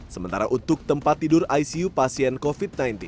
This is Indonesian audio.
sementara untuk tempat tidur icu pasien covid sembilan belas